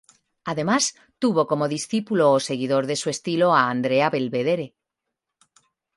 Además tuvo como discípulo o seguidor de su estilo a Andrea Belvedere.